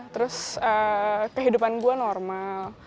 terus kehidupan gue normal